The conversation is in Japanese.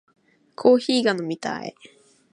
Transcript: コーヒーが飲みたい